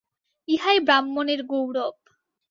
ইহাই ব্রাহ্মণের গৌরব।